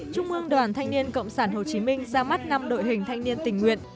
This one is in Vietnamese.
trung ương đoàn thanh niên cộng sản hồ chí minh ra mắt năm đội hình thanh niên tình nguyện